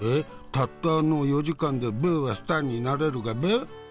たったの４時間でブーはスターになれるがブー？」。